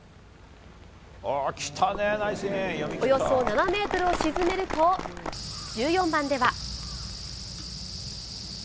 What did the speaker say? およそ７メートルを沈めると、１４番では。